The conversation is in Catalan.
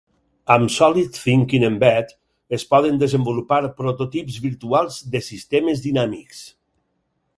Amb solidThinking Embed, es poden desenvolupar prototips virtuals de sistemes dinàmics.